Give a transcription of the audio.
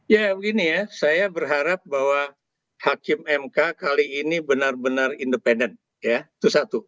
ya begini ya saya berharap bahwa hakim mk kali ini benar benar independen ya itu satu